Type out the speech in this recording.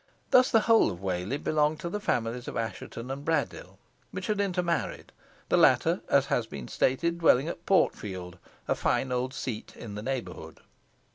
Thus the whole of Whalley belonged to the families of Assheton and Braddyll, which had intermarried; the latter, as has been stated, dwelling at Portfield, a fine old seat in the neighbourhood.